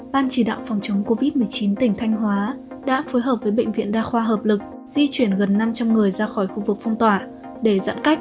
ban chỉ đạo phòng chống covid một mươi chín tỉnh thanh hóa đã phối hợp với bệnh viện đa khoa hợp lực di chuyển gần năm trăm linh người ra khỏi khu vực phong tỏa để dẫn cách